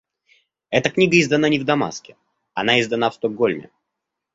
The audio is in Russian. Эта книга издана не в Дамаске, она издана в Стокгольме.